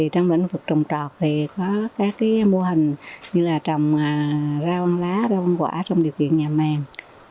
trong lĩnh vực trồng trọt có các mô hình như là trồng rau lá rau ăn quả trong điều kiện nhà màng